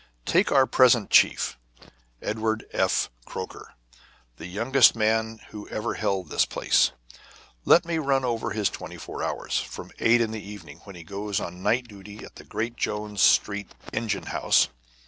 Take our present chief, Edward F. Croker, the youngest man who ever held this place. Let me run over his twenty four hours, from eight in the evening, when he goes on night duty at the Great Jones Street engine house.